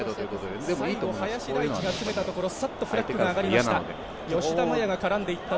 林大地が詰めたところ、さっとフラッグが上がっていました。